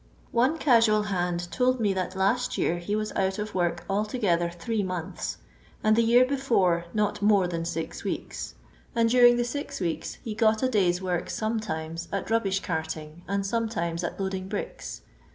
One casual band told me that last year he was out of work altogether three months, and the year before not more than six weeks, and during the six weeks he got a day's work sometimes nt rubbish carting and sometimes at loading bricks.